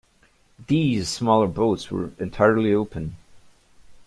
These smaller boats were entirely open.